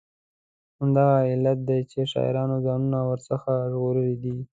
همدغه علت دی چې شاعرانو ځانونه ور څخه ژغورلي دي.